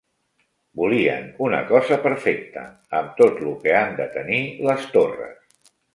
Volien una cosa perfecta, amb tot lo que han de tenir les torres